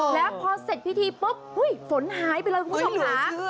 แล้วพอเสร็จพิธีปุ๊บฝนหายไปเลยคุณผู้ชมค่ะ